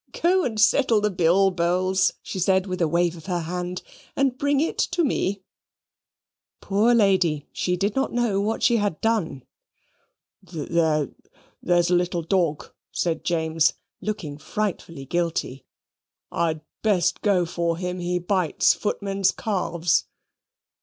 "Go and settle the bill, Bowls," she said, with a wave of her hand, "and bring it to me." Poor lady, she did not know what she had done! "There there's a little dawg," said James, looking frightfully guilty. "I'd best go for him. He bites footmen's calves."